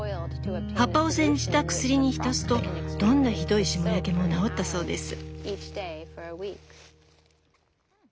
葉っぱを煎じた薬に浸すとどんなひどい霜焼けも治ったそうです。